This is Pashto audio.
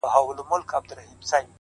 زه به د ميني يوه در زده کړم ـ